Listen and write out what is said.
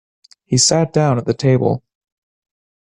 He sat down at the table.